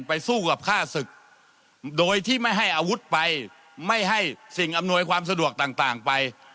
สู้กับฆ่าศึกโดยที่ไม่ให้อาวุธไปไม่ให้สิ่งอำนวยความสะดวกต่างไป